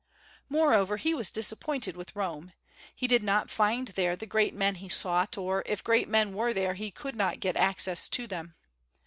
Moreover, he was disappointed with Rome. He did not find there the great men he sought, or if great men were there he could not get access to them.